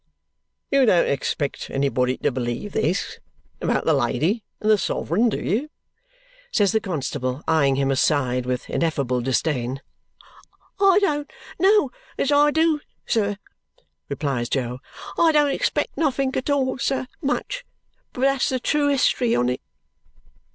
"You don't expect anybody to believe this, about the lady and the sovereign, do you?" says the constable, eyeing him aside with ineffable disdain. "I don't know as I do, sir," replies Jo. "I don't expect nothink at all, sir, much, but that's the true hist'ry on it."